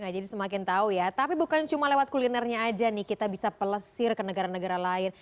jadi semakin tahu ya tapi bukan cuma lewat kulinernya aja nih kita bisa pelesir ke negara negara lain